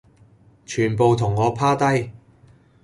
全部同我趴低